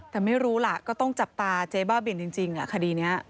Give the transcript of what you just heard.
แต่ไม่รู้ล่ะก็ต้องจับตาเจ๊บ้าบินจริงคดีนี้